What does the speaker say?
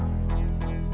aku mau ke rumah